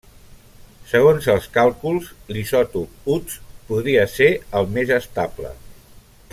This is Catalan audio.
Segons els càlculs l'isòtop Uts podria ser el més estable.